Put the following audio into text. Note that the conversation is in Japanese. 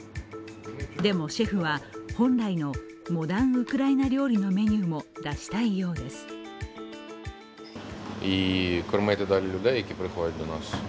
でも、シェフは本来のモダン・ウクライナ料理も出したいようです。